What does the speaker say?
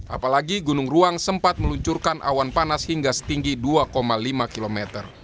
apalagi gunung ruang sempat meluncurkan awan panas hingga setinggi dua lima km